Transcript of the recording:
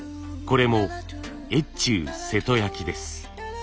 これも越中瀬戸焼です。